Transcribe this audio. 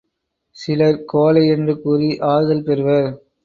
சிலர் கோழை என்றுகூறி ஆறுதல் பெறுவர்.